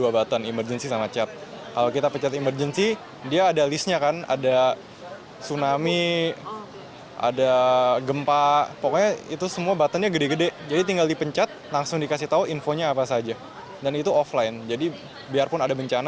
bapat dapat segera diunduh di pasukan